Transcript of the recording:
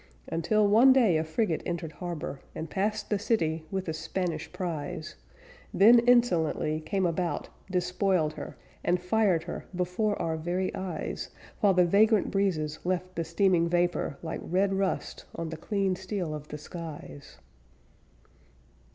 Until one day a frigate entered harbor, And passed the city, with a Spanish prize, Then insolently came about, despoiled her, And fired her before our very eyes, While the vagrant breezes left the streaming vapor Like red rust on the clean steel of the skies.